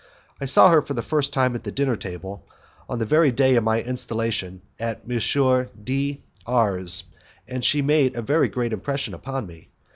I saw her for the first time at the dinner table on the very day of my installation at M. D R 's, and she made a great impression upon me.